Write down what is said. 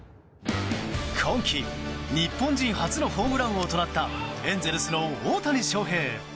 今季、日本人初のホームラン王となったエンゼルスの大谷翔平。